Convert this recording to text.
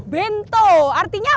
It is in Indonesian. bento artinya apa